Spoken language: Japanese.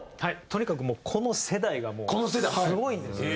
とにかくこの世代がもうすごいんですよ。